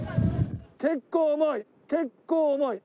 結構重い。